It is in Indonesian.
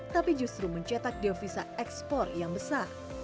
tapi justru mencetak devisa ekspor yang besar